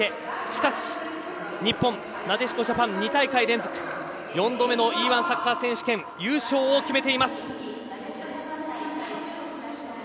しかし日本、なでしこジャパンは２大会連続４度目のＥ‐１サッカー選手権優勝を決めています！